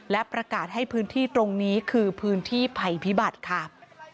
และประกาศให้พื้นที่ตรงนี้คือพื้นที่ภัยพิบัติค่ะ